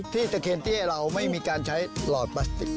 ที่เตอร์เคนตี้เราไม่มีการใช้หลอดพลาสติก